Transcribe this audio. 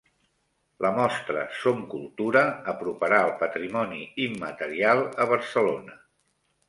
La mostra Som Cultura aproparà el patrimoni immaterial a Barcelona